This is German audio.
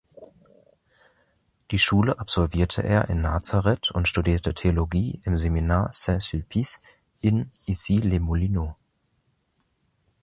Die Schule absolvierte er in Nazaret und studierte Theologie im Seminar Saint-Sulpice in Issy-les-Moulineaux.